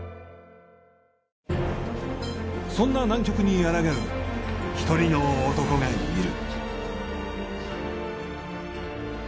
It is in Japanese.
そんな難局にあらがう一人の男がいる。